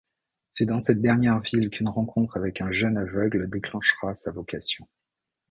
C’est dans cette dernière ville qu’une rencontre avec un jeune aveugle déclenchera sa vocation.